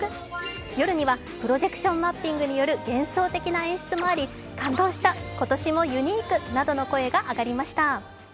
夜にはプロジェクションマッピングによる幻想的な演出もあり感動した、今年もユニークなどの声が上がりました。